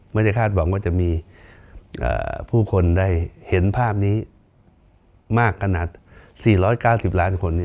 คาดหวังว่าจะมีผู้คนได้เห็นภาพนี้มากขนาด๔๙๐ล้านคน